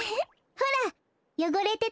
ほらよごれてたわ。